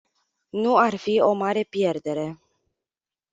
Nu ar fi o mare pierdere.